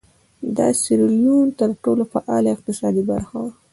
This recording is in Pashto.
دا د سیریلیون تر ټولو فعاله اقتصادي برخه وه.